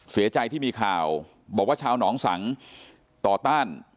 เสียใจที่มีข่าวบอกว่าชาวหนองสังต่อต้าน